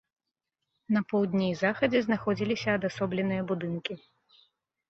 На поўдні і захадзе знаходзіліся адасобленыя будынкі.